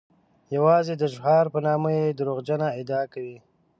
یوازې د شعار په نامه یې دروغجنه ادعا کوي.